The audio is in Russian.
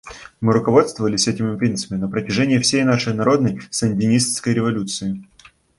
Мы руководствовались этими принципами на протяжении всей нашей народной сандинистской революции.